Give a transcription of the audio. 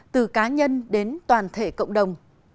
từ cá nhân đến toàn thể cộng đồng